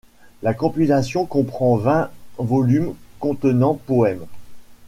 La compilation comprend vingt volumes contenant poèmes.